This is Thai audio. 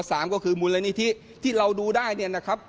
ก็คือมูลนิธิที่เราดูได้เนี่ยนะครับ